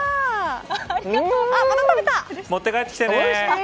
持って帰ってきてね。